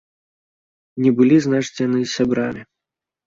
Не былі, значыць, яны сябрамі.